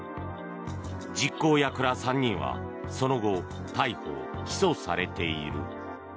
実行役ら３人はその後、逮捕・起訴されている。